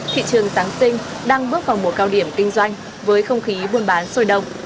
thị trường giáng sinh đang bước vào mùa cao điểm kinh doanh với không khí buôn bán sôi động